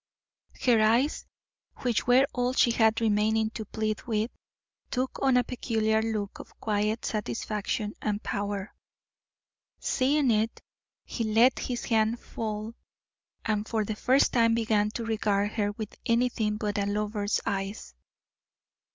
Her eyes, which were all she had remaining to plead with, took on a peculiar look of quiet satisfaction, and power. Seeing it, he let his hand fall and for the first time began to regard her with anything but a lover's eyes.